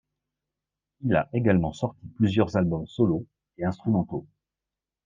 Il a également sorti plusieurs albums solo et instrumentaux.